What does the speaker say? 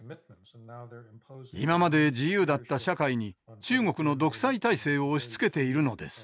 今まで自由だった社会に中国の独裁体制を押しつけているのです。